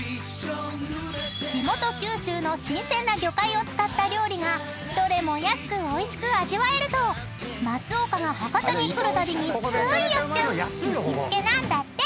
［地元九州の新鮮な魚介を使った料理がどれも安くおいしく味わえると松岡が博多に来るたびについ寄っちゃう行きつけなんだって］